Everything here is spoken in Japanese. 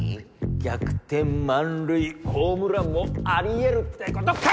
逆転満塁ホームランもあり得るってことか？